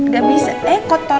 gak bisa eh kotor